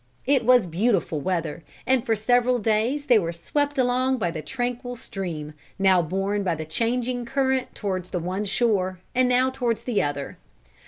It was beautiful weather, and for several days they were swept along by the tranquil stream, now borne by the changing current towards the one shore, and now towards the other.